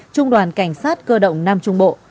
trung đoàn cảnh sát cơ động nam trung bộ